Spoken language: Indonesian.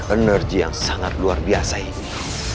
energi yang sangat luar biasa ini